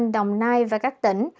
đồng nai và các tỉnh